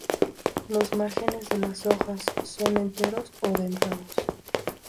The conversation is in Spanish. Los márgenes de las hojas, son enteros o dentados.